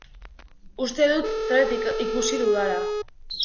Uste dut zerbait ikusi dudala.